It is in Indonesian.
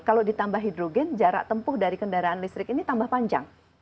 kalau ditambah hidrogen jarak tempuh dari kendaraan listrik ini tambah panjang